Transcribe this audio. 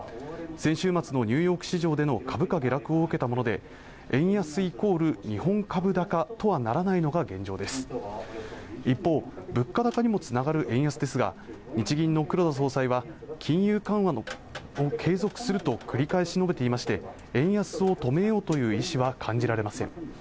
先週末のニューヨーク市場での株価下落を受けたもので円安イコール日本株高とはならないのが現状です一方物価高にもつながる円安ですが日銀の黒田総裁は金融緩和の継続すると繰り返し述べていまして円安を止めようという意思は感じられません